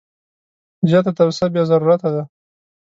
زیاته توصیه بې ضرورته ده.